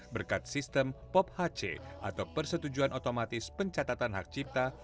berkat sistem pophc atau persetujuan otomatis pencatatan hak cipta